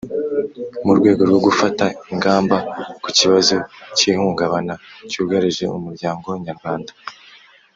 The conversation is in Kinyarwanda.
Mu rwego rwo gufata ingamba ku kibazo cy ihungabana cyugarije umuryango nyarwanda